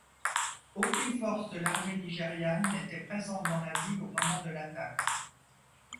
Aucune force de l'armée nigériane n'était présente dans la ville au moment de l'attaque.